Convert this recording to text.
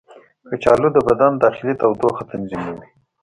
کچالو د بدن داخلي تودوخه تنظیموي.